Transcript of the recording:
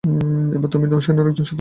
এবার তুমি নৌ-সেনার একজন সদস্য।